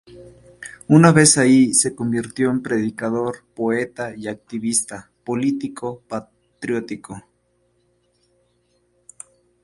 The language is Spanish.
Una vez allí, se convirtió en predicador, poeta y activista político patriótico.